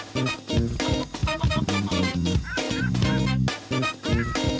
โปรดติดตามตอนต่อไป